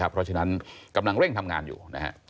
เพราะฉะนั้นกำลังเร่งทำงานอยู่